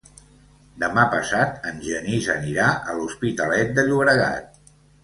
Demà passat en Genís anirà a l'Hospitalet de Llobregat.